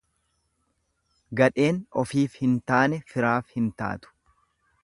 Gadheen ofiif hin taane firaaf hin taatu.